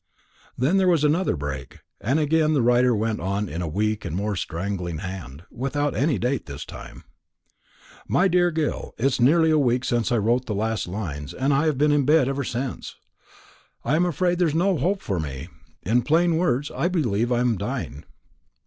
Then there was another break, and again the writer went on in a weak and more straggling hand, without any date this time. "My dear Gil, it's nearly a week since I wrote the last lines, and I've been in bed ever since. I'm afraid there's no hope for me; in plain words, I believe I'm dying.